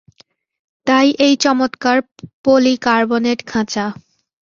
তাই এই চমৎকার পলিকার্বনেট খাঁচা।